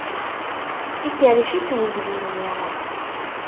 Ikerrec-itt uydi-nni.